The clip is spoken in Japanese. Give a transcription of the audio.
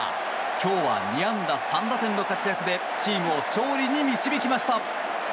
今日は２安打３打点の活躍でチームを勝利に導きました。